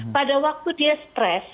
pada waktu dia stress